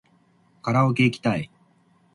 カラオケいきたい